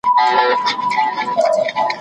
د پولیسو روغتونونه چيري دي؟